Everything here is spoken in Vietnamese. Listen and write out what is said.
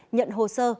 nhận hồ sơ